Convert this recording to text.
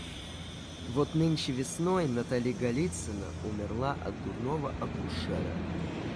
Вот нынче весной Натали Голицына умерла от дурного акушера.